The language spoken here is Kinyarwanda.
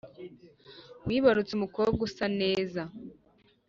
Wibarutse umukobwa usa neza